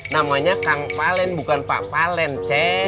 namanya kang palen bukan pak palen ceng